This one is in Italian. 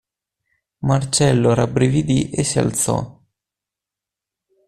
Marcello rabbrividì e si alzò.